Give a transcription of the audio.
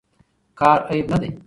کار عیب نه دی.